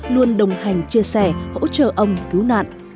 luôn đồng hành chia sẻ hỗ trợ ông cứu nạn